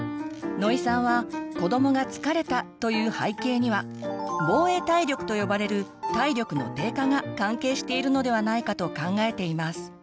野井さんは子どもが「疲れた」と言う背景には「防衛体力」と呼ばれる体力の低下が関係しているのではないかと考えています。